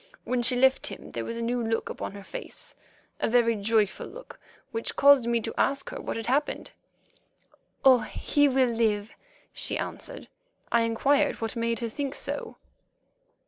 When she left him there was a new look upon her face—a very joyful look—which caused me to ask her what had happened. "Oh! he will live," she answered. I inquired what made her think so.